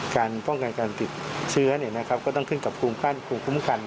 การป้องกันกันติดเชื้อนะครับก็ต้องขึ้นตามภูมิคุ้มกัน